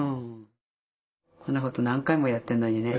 こんなこと何回もやってんのにね。